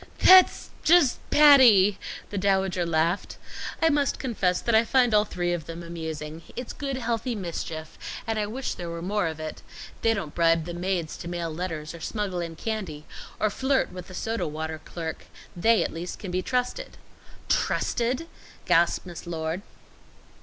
"That's just Patty!" the Dowager laughed. "I must confess that I find all three of them amusing. It's good, healthy mischief and I wish there were more of it. They don't bribe the maids to mail letters, or smuggle in candy, or flirt with the soda water clerk. They at least can be trusted." "Trusted!" gasped Miss Lord.